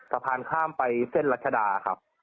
สะพานข้ามไปเส้นรัชดาครับ